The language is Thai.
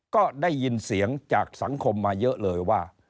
ก็ได้ยินเสียงจากสังคมมาเยอะเลยว่า